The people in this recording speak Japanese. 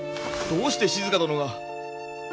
どうして静殿が？